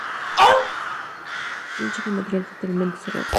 Quincho de material totalmente cerrado.